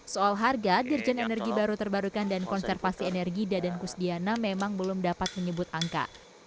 soal harga dirjen energi baru terbarukan dan konservasi energi dadan kusdiana memang belum dapat menyebut angka